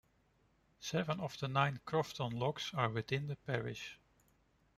Seven of the nine Crofton Locks are within the parish.